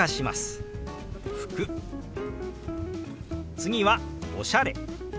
次は「おしゃれ」。